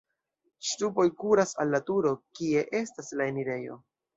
Ŝtupoj kuras al la turo, kie estas la enirejo.